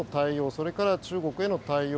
それから中国への対応